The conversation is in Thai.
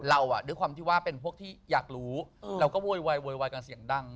ด้วยความที่ว่าเป็นพวกที่อยากรู้เราก็โวยวายโวยวายกันเสียงดัง